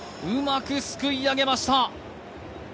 うまくすくい上げました。